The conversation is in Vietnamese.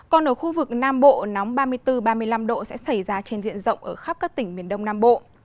còn ở khu vực nam bộ nóng ba mươi bốn ba mươi năm độ sẽ xảy ra trên diện rộng ở khắp các tỉnh miền đông nam bộ